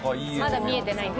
まだ見えてない。